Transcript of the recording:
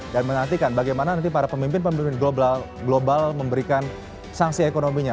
dan menantikan bagaimana nanti para pemimpin pemimpin global memberikan sanksi ekonominya